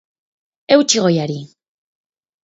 Eutsi goiari!